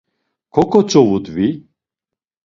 Koǩotzovudvi.